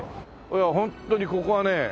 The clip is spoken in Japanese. いやホントにここはね